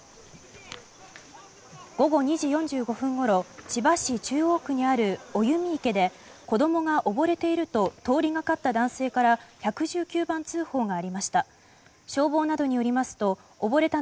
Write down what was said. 午後２時４５分ごろ千葉市中央区にある生実池で子供が溺れていると通りがかった男性から１１９番通報がありました。